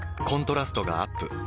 コントラストがアップ。